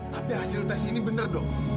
tapi hasil tes ini benar dong